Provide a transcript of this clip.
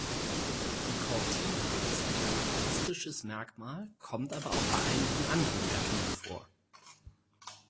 Die Cortina ist ein charakteristisches Merkmal, kommt aber auch bei einigen anderen Gattungen vor.